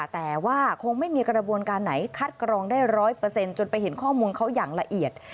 แต่ว่าคงไม่มีกระบวนการไหนคัดกรองได้๑๐๐จนไปเห็นข้อมูลเขาอย่างละเอียด